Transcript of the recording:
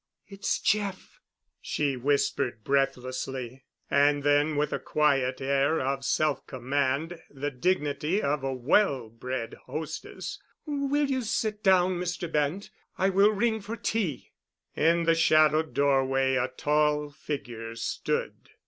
"It's Jeff," she whispered breathlessly; and then with a quiet air of self command, the dignity of a well bred hostess, "Will you sit down, Mr. Bent? I will ring for tea." In the shadowed doorway a tall figure stood.